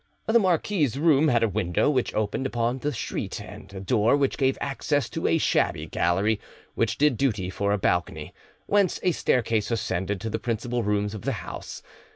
The marquis's room had a window which opened upon the street, and a door which gave access to a shabby gallery which did duty for a balcony, whence a staircase ascended to the principal rooms of the house.